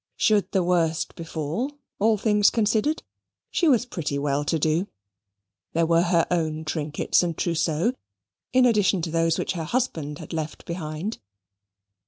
Should the worst befall, all things considered, she was pretty well to do. There were her own trinkets and trousseau, in addition to those which her husband had left behind.